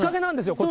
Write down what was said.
こっち。